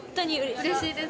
うれしいです。